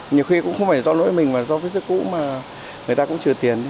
nhiều khi cũng không phải do lỗi mình mà do vết xước cũ mà người ta cũng trừ tiền